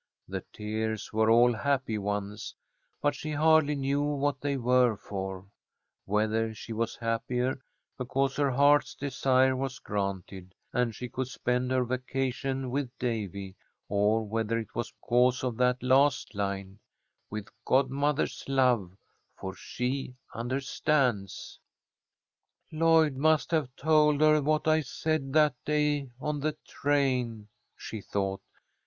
The tears were all happy ones, but she hardly knew what they were for. Whether she was happier because her heart's desire was granted, and she could spend her vacation with Davy, or whether it was because of that last line, "With godmother's love, for she understands." "Lloyd must have told her what I said that day on the train," she thought.